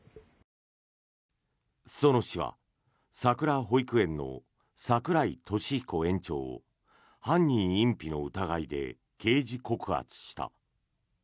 裾野市はさくら保育園の櫻井利彦園長を犯人隠避の疑いで刑事告発した。